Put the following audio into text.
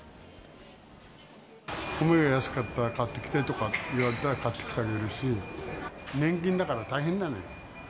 米が安かったら買ってきてとかって言われたら買って帰るし、年金だから大変なのよ。